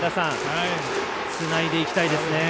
つないでいきたいですね。